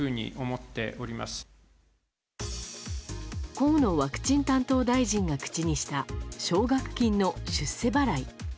河野ワクチン担当大臣が口にした奨学金の出世払い。